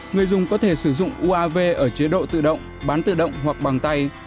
người dùng có thể sử dụng uav ở chế độ tự động bán tự động hoặc bằng tay